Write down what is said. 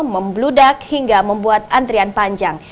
membludak hingga membuat antrian panjang